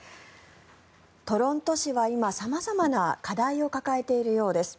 トロント市は今、様々な課題を抱えているようです。